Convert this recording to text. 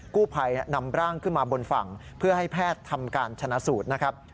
กู้ภัยนำร่างขึ้นมาบนฝั่งเพื่อให้แพทย์ทำการชนะสูตรนะครับ